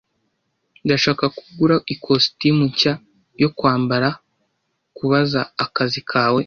Ndashaka ko ugura ikositimu nshya yo kwambara kubaza akazi kawe.